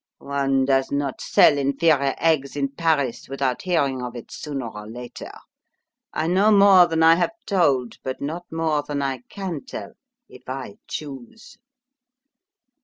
One does not sell inferior eggs in Paris without hearing of it sooner or later. I know more than I have told, but not more than I can tell, if I choose."